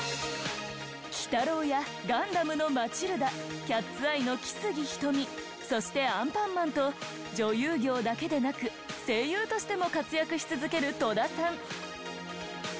鬼太郎や『ガンダム』のマチルダ『キャッツ・アイ』の来生瞳そしてアンパンマンと女優業だけでなく声優としても活躍し続ける戸田さん。